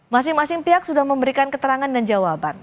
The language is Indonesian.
masing masing pihak sudah memberikan keterangan dan jawaban